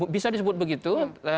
bisa disebut begitu